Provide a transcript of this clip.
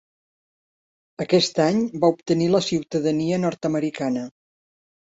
Aquest any va obtenir la ciutadania nord-americana.